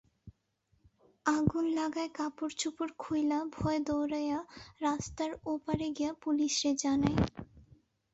আগুন লাগায় কাপড়চোপড় খুইলা ভয়ে দৌড়াইয়া রাস্তার ওপারে গিয়া পুলিশরে জানাই।